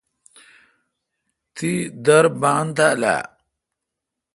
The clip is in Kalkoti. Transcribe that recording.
تی دربان تھال آ؟